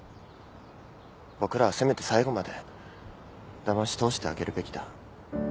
僕らはせめて最後までだまし通してあげるべきだ。